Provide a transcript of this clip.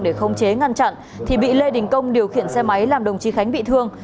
để không chế ngăn chặn thì bị lê đình công điều khiển xe máy làm đồng chí khánh bị thương